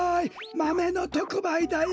マメのとくばいだよ。